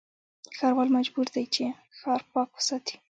ښاروال مجبور دی چې، ښار پاک وساتي.